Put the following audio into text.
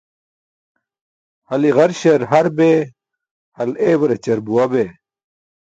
Hal i̇garśar har bee, hal ewarćar buwa bee.